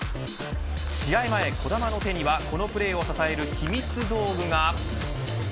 試合前、子どもの手にはこのプレーを支えるひみつ道具が。